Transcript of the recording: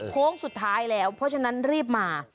โค้งสุดท้ายแล้วเพราะฉะนั้นรีบมา